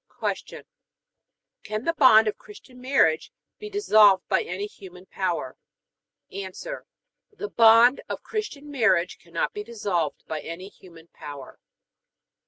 Q. Can the bond of Christian marriage be dissolved by any human power? A. The bond of Christian marriage cannot be dissolved by any human power.